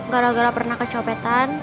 gara gara pernah kecopetan